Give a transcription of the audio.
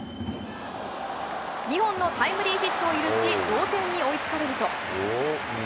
２本のタイムリーヒットを許し、同点に追いつかれると。